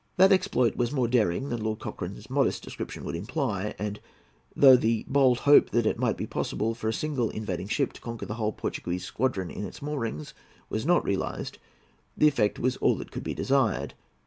That exploit was more daring than Lord Cochrane's modest description would imply; and, though the bold hope that it might be possible for a single invading ship to conquer the whole Portuguese squadron in its moorings was not realized, the effect was all that could be desired.